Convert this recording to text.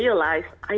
dan saya menyadari